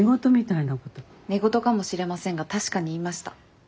寝言かもしれませんが確かに言いました。